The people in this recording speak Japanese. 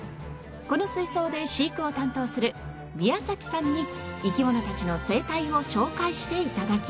この水槽で飼育を担当する宮崎さんに生き物たちの生態を紹介して頂きます。